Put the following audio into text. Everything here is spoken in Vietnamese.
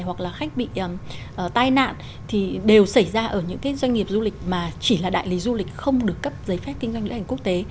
hoặc là khách bị tai nạn thì đều xảy ra ở những cái doanh nghiệp du lịch mà chỉ là đại lý du lịch không được cấp giấy phép kinh doanh lữ hành quốc tế